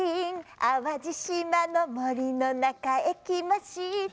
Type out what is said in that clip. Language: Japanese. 「淡路島の森の中へ来ました」